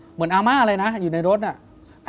เหมือนอามาอะไรนะอยู่ในรถน่ะ